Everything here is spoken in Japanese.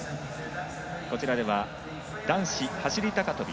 こちらでは、男子走り高跳び。